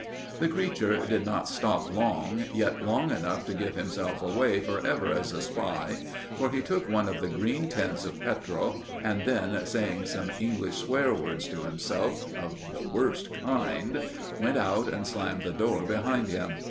The creature did not stop long, yet long enough to give himself away for ever as a spy, for he took one of the green tins of petrol, and then, saying some English swear words to himself of the worst kind, went out and slammed the door behind him.